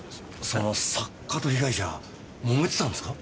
その作家と被害者揉めてたんですか？